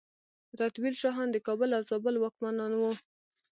رتبیل شاهان د کابل او زابل واکمنان وو